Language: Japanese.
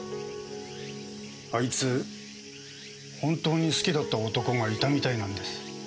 あいつ本当に好きだった男がいたみたいなんです。